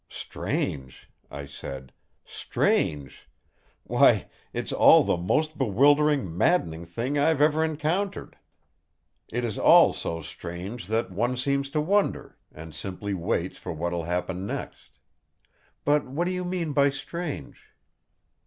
"Strange!" I said; "Strange! why it's all the most bewildering, maddening thing I have ever encountered. It is all so strange that one seems to wonder, and simply waits for what will happen next. But what do you mean by strange?"